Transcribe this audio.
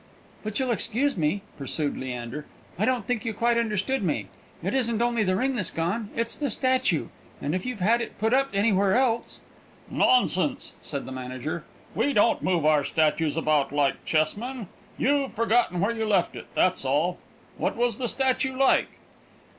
"But you'll excuse me," pursued Leander; "I don't think you quite understood me. It isn't only the ring that's gone it's the statue; and if you've had it put up anywhere else " "Nonsense!" said the manager; "we don't move our statues about like chessmen; you've forgotten where you left it, that's all. What was the statue like?"